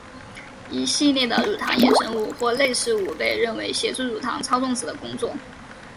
一系列的乳糖衍生物或类似物被认为协助乳糖操纵子的工作。